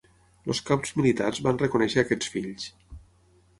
Els caps militars van reconèixer a aquests fills.